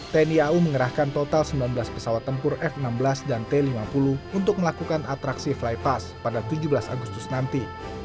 tni au mengerahkan total sembilan belas pesawat tempur f enam belas dan t lima puluh untuk melakukan atraksi flypass pada tujuh belas agustus nanti